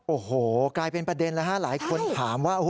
โอ้โหกลายเป็นประเด็นแล้วฮะหลายคนถามว่า